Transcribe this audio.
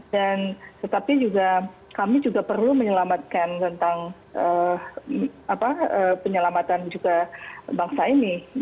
dan tetapi juga kami juga perlu menyelamatkan tentang penyelamatan juga bangsa ini